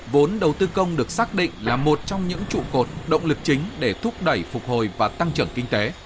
vốn đầu tư công được xác định là một trong những trụ cột động lực chính để thúc đẩy phục hồi và tăng trưởng kinh tế